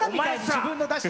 自分のを出して。